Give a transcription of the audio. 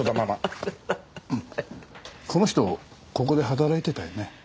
この人ここで働いてたよね？